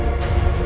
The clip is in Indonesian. ya enggak apa apa